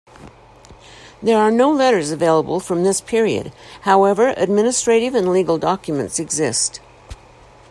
There are no letters available from this period, however administrative and legal documents exist.